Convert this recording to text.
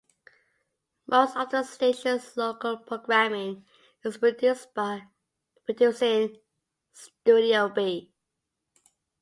Most of the station's local programming is produced in Studio B.